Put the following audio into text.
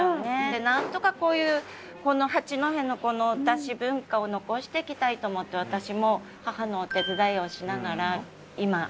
でなんとかこういうこの八戸のこのダシ文化を残していきたいと思って私も母のお手伝いをしながら今立ってるんですね。